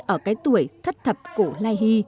ở cái tuổi thất thập cổ lai hy